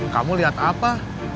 kamu lihat apa